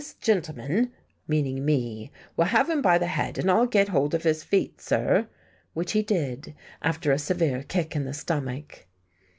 "This gintleman" (meaning me) "will have him by the head, and I'll get hold of his feet, sir." Which he did, after a severe kick in the stomach.